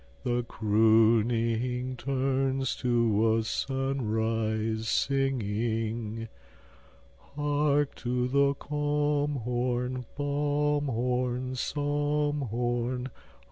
The crooning turns to a sunrise singing. Hark to the calm horn, balm horn, psalm horn.